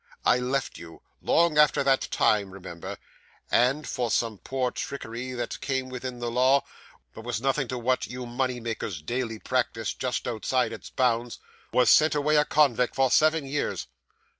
I left you long after that time, remember and, for some poor trickery that came within the law, but was nothing to what you money makers daily practise just outside its bounds, was sent away a convict for seven years.